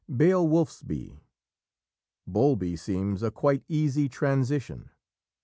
Beowulfesby Bowlby seems a quite easy transition.